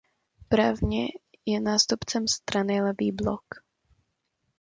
Právně je nástupcem strany Levý blok.